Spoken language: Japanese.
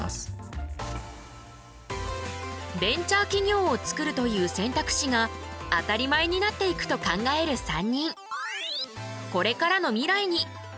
ベンチャー企業を作るという選択肢が当たり前になっていくと考える３人。